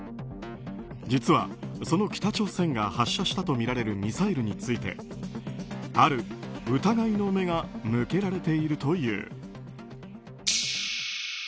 実は、その北朝鮮が発射したとみられるミサイルについてある疑いの目が向けられているという。